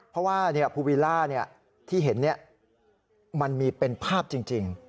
เพราะว่าภูวิลล่าที่เห็นมันมีเป็นภาพจริง